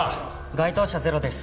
該当者ゼロです。